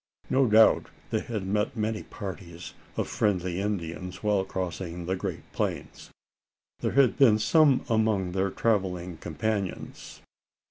No doubt, they had met many parties of friendly Indians while crossing the great plains. There had been some among their travelling companions.